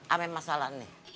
amin masalah ini